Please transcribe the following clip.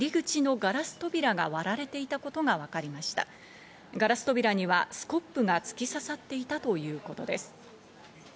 ガラス扉にはスコップが突き刺さっていたということです。